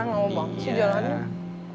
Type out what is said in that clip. nggak mau banget sih jalanin